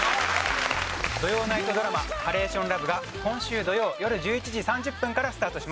土曜ナイトドラマ『ハレーションラブ』が今週土曜よる１１時３０分からスタートします。